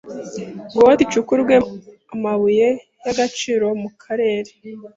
goti icukurwemo emebuye y’egeciro mu kerer